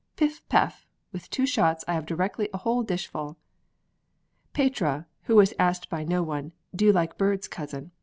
Piff, paff! with two shots I have directly a whole dishful." Petrea, who was asked by no one "Do you like birds, cousin?"